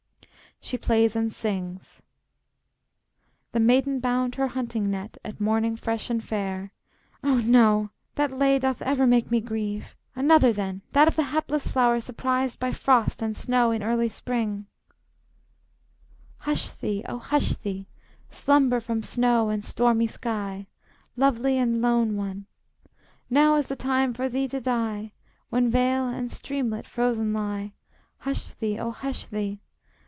[She plays and sings.] The maiden bound her hunting net At morning fresh and fair Ah, no! that lay doth ever make me grieve. Another, then! that of the hapless flower, Surprised by frost and snow in early spring. Hush thee, oh, hush thee, Slumber from snow and stormy sky, Lovely and lone one! Now is the time for thee to die, When vale and streamlet frozen lie. Hush thee, oh, hush thee!